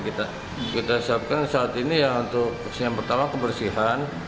kita siapkan saat ini yang pertama kebersihan